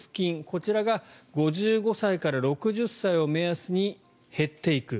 こちらが５５歳から６０歳を目安に減っていく。